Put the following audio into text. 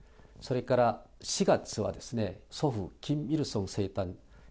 それから４月は祖父、キム・イルソン生誕